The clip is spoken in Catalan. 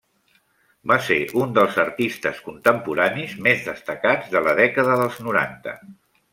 Va ser un dels artistes contemporanis més destacats de la dècada dels noranta.